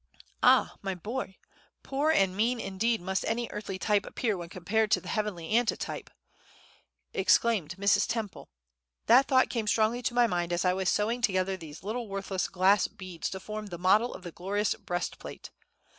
"Ah, my boy! poor and mean indeed must any earthly type appear when compared to the heavenly Antitype!" exclaimed Mrs. Temple. "That thought came strongly to my mind as I was sewing together these little worthless glass beads to form the model of the glorious breastplate.